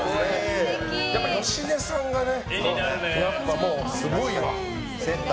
やっぱり芳根さんがねすごいわ。